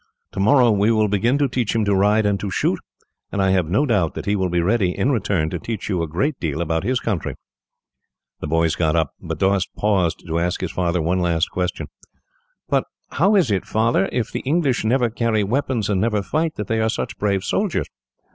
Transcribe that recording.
Tomorrow we will begin to teach him to ride and to shoot, and I have no doubt that he will be ready, in return, to teach you a great deal about his country." The boys got up. But Doast paused to ask his father one last question. "But how is it, Father, if the English never carry weapons, and never fight, that they are such brave soldiers?